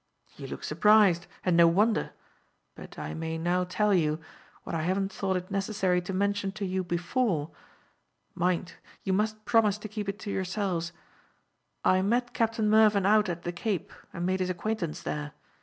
You look surprised, and no wonder; but I may now tell you, what I haven't thought it necessary to mention to you before mind, you must promise to keep it to yourselves I met Captain Mervyn out at the Cape, and made his acquaintance there.